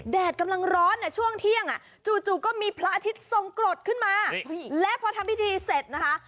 แดดกำลังร้อนช่วงเที่ยงจู่ก็มีพระอาทิตย์ทรงกรดขึ้นมาและพอทำพิธีเสร็จนะคะ